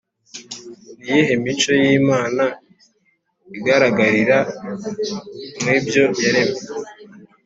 Ni iyihe mico y Imana igaragarira mu byo yaremye